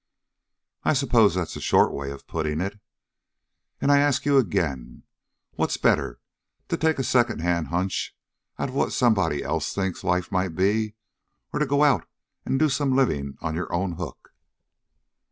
"I suppose that's a short way of putting it." "And I ask you ag'in, what's better to take a secondhand hunch out of what somebody else thinks life might be, or to go out and do some living on your own hook?"